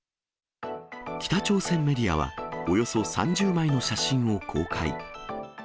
北朝鮮メディアは、およそ３０枚の写真を公開。